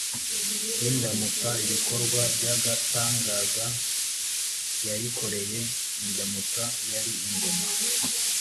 y’indamutsa ibikorwa byagatangaza yayikoreye indamutsa yari ingoma